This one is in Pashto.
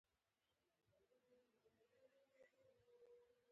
کراچۍ ته په پښتو کې لاسګاډی وايي.